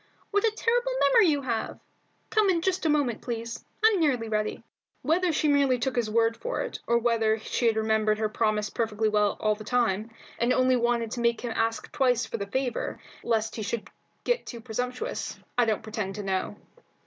What a terrible memory you have! Come in just a moment, please; I'm nearly ready." Whether she merely took his word for it, or whether she had remembered her promise perfectly well all the time, and only wanted to make him ask twice for the favour, lest he should feel too presumptuous, I don't pretend to know.